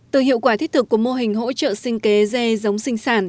từ hiệu quả thiết thực của mô hình hỗ trợ xin kể dây giống sinh sản